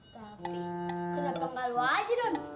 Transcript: tapi kenapa gak lo aja don